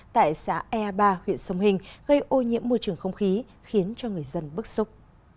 tại xã ea ba huyện sông hình gây ô nhiễm môi trường không khí khiến cho người dân bức xúc